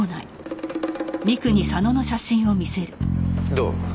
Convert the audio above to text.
どう？